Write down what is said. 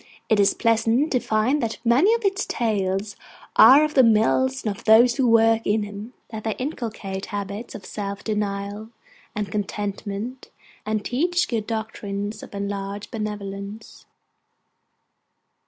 It is pleasant to find that many of its Tales are of the Mills and of those who work in them; that they inculcate habits of self denial and contentment, and teach good doctrines of enlarged benevolence.